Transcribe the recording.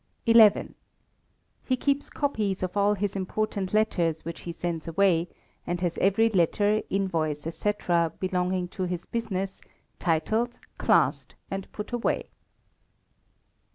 xi. He keeps copies of all his important letters which he sends away, and has every letter, invoice, &c., belonging to his business, titled, classed, and put away.